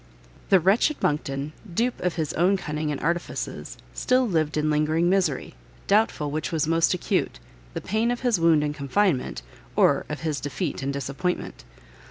The wretched Monckton, dupe of his own cunning and artifices, still lived in lingering misery, doubtful which was most acute, the pain of his wound and confinement, or of his defeat and disappointment.